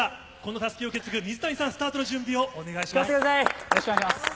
たすきを受け継ぐ水谷さん、スタートの準備をお願いします。